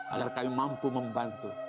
agar kami mampu membantu